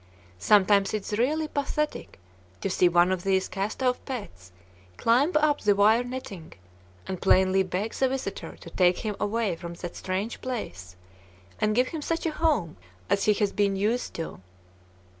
Sometimes it is really pathetic to see one of these cast off pets climb up the wire netting and plainly beg the visitor to take him away from that strange place, and give him such a home as he has been used to.